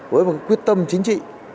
với một quyết tâm chính trị